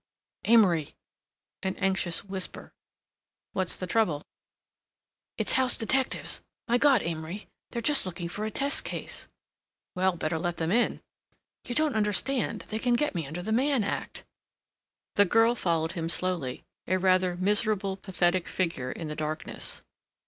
"Amory!" an anxious whisper. "What's the trouble?" "It's house detectives. My God, Amory—they're just looking for a test case—" "Well, better let them in." "You don't understand. They can get me under the Mann Act." The girl followed him slowly, a rather miserable, pathetic figure in the darkness.